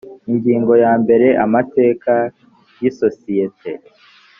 ingingo ya mbere amateka y isosiyete